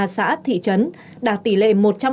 tám tám trăm bảy mươi ba xã thị trấn đạt tỷ lệ một trăm linh